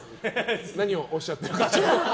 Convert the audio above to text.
何をおっしゃっているか。